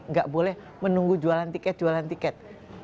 nggak boleh menunggu jualan tiket jualan tiket